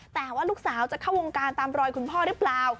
แต่ว่าลูกสาวจะเข้าวงการตามรอยคุณพ่อหรือเปล่า